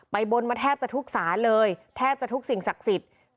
บนมาแทบจะทุกศาลเลยแทบจะทุกสิ่งศักดิ์สิทธิ์